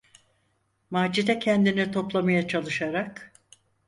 Macide kendini toplamaya çalışarak: